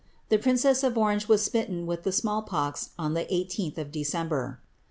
The princess of Orange was smitten with the small pox on the 18th of December.